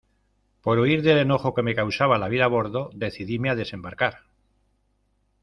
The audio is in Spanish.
por huir del enojo que me causaba la vida a bordo, decidíme a desembarcar.